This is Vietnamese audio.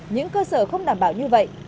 những cơ sở không đảm bảo như vậy